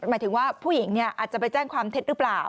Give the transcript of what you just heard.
หมายถึงว่าผู้หญิงอาจจะไปแจ้งความเท็จหรือเปล่า